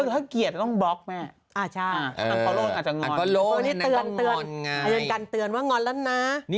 มันต้องกด๓ทีนะเพื่อกว่าจะอัดได้